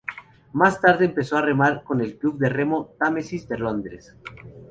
Más tarde empezó a remar con el club de remo Támesis de Londres.